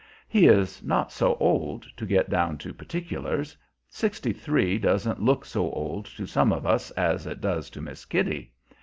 He is not so old, to get down to particulars; sixty three doesn't look so old to some of us as it does to Miss Kitty.